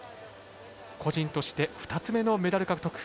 個人として２つ目のメダル獲得。